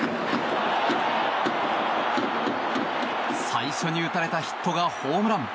最初に打たれたヒットがホームラン。